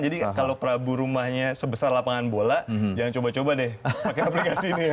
jadi kalau prabu rumahnya sebesar lapangan bola jangan coba coba deh pakai aplikasi ini ya